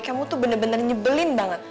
kamu tuh bener bener nyebelin banget